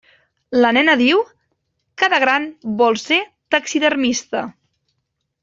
La nena diu que de gran vol ser taxidermista.